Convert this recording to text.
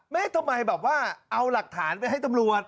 ทำไมแบบว่าเอาหลักฐานไปให้ตำรวจ